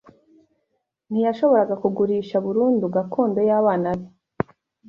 ntiyashoboraga kugurisha burundu gakondo y’abana be